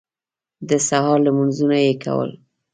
د سهار لمونځونه یې کول.